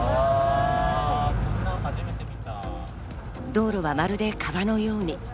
道路はまるで川のように。